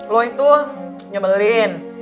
lo itu nyebelin